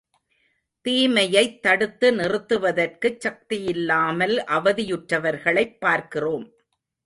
தீமையைத் தடுத்து நிறுத்துவதற்குச் சக்தியில்லாமல் அவதியுற்றவர்களைப் பார்க்கிறோம்.